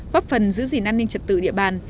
góp phần giữ gìn an ninh trật tự địa bàn